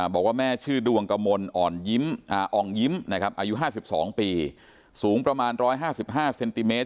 บอกว่าแม่ชื่อดวงกมลอ่องยิ้มนะครับอายุ๕๒ปีสูงประมาณ๑๕๕เซนติเมตร